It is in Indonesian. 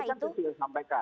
tadi kan susil sampaikan